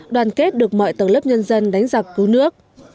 đoàn kết được mọi tầng lớp nhân dân đánh giặc cứu nước